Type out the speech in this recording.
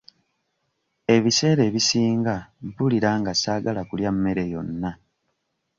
Ebiseera ebisinga mpulira nga ssaagala kulya mmere yonna.